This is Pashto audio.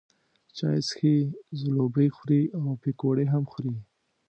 چای څښي، ځلوبۍ خوري او پیکوړې هم خوري.